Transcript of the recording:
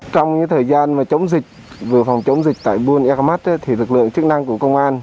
trong những thời gian mà chống dịch vừa phòng chống dịch tại buôn ea mát thì lực lượng chức năng của công an